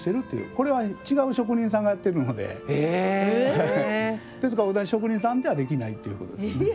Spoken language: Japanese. これは違う職人さんがやっているのでですから同じ職人さんではできないっていうことですね。